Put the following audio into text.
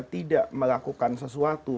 tidak melakukan sesuatu